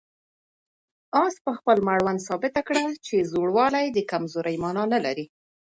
آس په خپل مړوند ثابته کړه چې زوړوالی د کمزورۍ مانا نه لري.